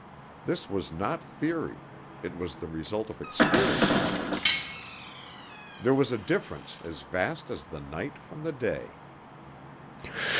This was not theory; it was the result of experience. There was a difference as vast as the night from the day.